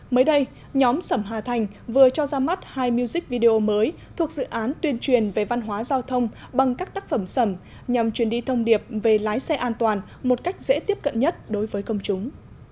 mới đây nhóm sẩm hà thành vừa cho ra mắt hai music video mới thuộc dự án tuyên truyền về văn hóa giao thông bằng các tác phẩm sẩm nhằm truyền đi thông điệp về lái xe an toàn một cách dễ tiếp cận nhất đối với công chúng